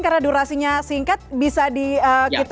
karena durasinya singkat bisa di